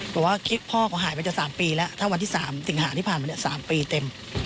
บอกว่าพ่อเขาหายไปจากสามปีแล้วถ้าวันที่สามสิ่งหาที่ผ่านมาเนี่ยสามปีเต็ม